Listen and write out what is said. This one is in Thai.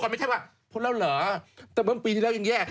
ปีเดียวยังแย่